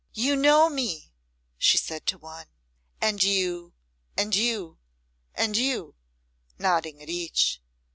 "You know me," she said to one; "and you, and you, and you," nodding at each.